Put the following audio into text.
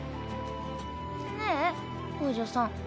ねえ王女さん。